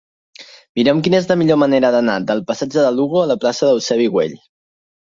Mira'm quina és la millor manera d'anar del passatge de Lugo a la plaça d'Eusebi Güell.